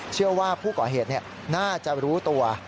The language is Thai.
เชื่อว่าผู้ก่อเหตุน่าจะรู้ตัว